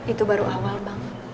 itu baru awal bang